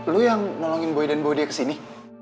lo yang nolongin boy dan boy dia kesini